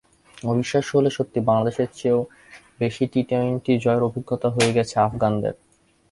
অবিশ্বাস্য হলেও সত্যি, বাংলাদেশের চেয়েও বেশি টি-টোয়েন্টি জয়ের অভিজ্ঞতা হয়ে গেছে আফগানদের।